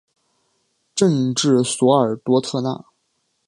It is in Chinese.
镇治索尔多特纳。